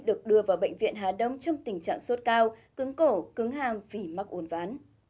được đưa vào bệnh viện hà đông trong tình trạng sốt cao cứng cổ cứng hàm vì mắc uốn ván